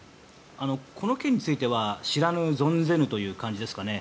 この件については知らぬ存ぜぬという感じですかね